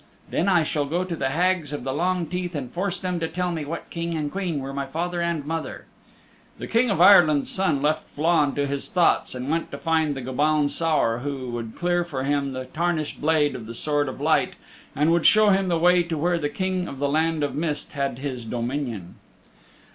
Then I shall go to the Hags of the Long Teeth and force them to tell me what King and Queen were my father and mother." The King of Ireland's Son left Flann to his thoughts and went to find the Gobaun Saor who would clear for him the tarnished blade of the Sword of Light and would show him the way to where the King of the Land of Mist had his dominion.